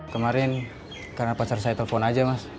kemarin karena pacar saya telepon aja mas